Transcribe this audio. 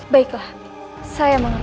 baiklah saya mengerti